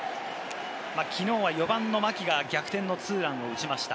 きのうは４番の牧が逆転のツーランを打ちました。